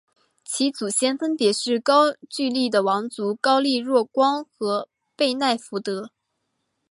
其祖先分别是高句丽的王族高丽若光和背奈福德。